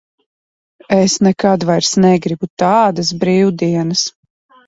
Es nekad vairs negribu tādas brīvdienas.